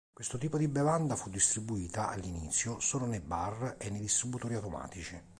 Questo tipo di bevanda fu distribuita, all'inizio, solo nei bar e nei distributori automatici.